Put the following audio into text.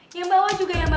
jepit ya dikit aja